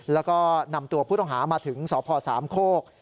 แล้วก็นำตัวผู้ต้องหามาถึงสพสามโคก